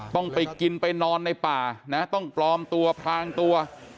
ต้องไปกินไปนอนในป่านะต้องปลอมตัวพรางตัว